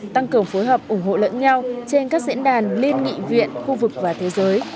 tăng cường phối hợp ủng hộ lẫn nhau trên các diễn đàn liên nghị viện khu vực và thế giới